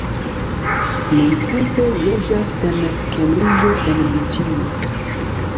Nuntempe li loĝas en Kembriĝo en Britio.